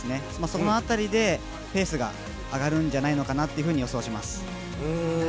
その辺りでペースで上がるんじゃないのかなと予想します。